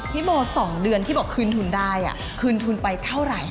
พี่โบ๒เดือนที่บอกคืนทุนได้คืนทุนไปเท่าไหร่